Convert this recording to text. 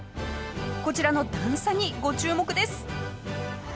こちらの段差にご注目です。